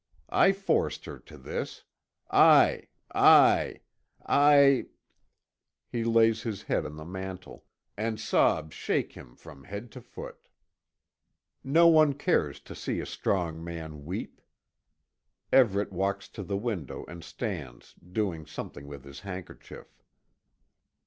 I forced her to this. I I I " He lays his head on the mantel, and sobs shake him from head to foot. No one cares to see a strong man weep. Everet walks to the window and stands, doing something with his handkerchief.